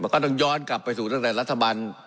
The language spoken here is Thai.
ก็ต้องย้อนกลับไปสู่เก้าส่วนรัฐบาล